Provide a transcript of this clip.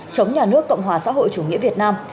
chống nhà nước cộng hòa xã hội chủ nghĩa việt nam